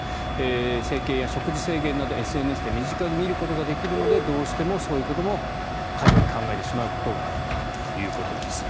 整形や食事制限などＳＮＳで身近に見ることができるのでどうしてもそういうことも過剰に考えてしまうことがあるということです。